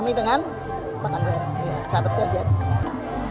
kami dengan pak ganjar sahabat ganjar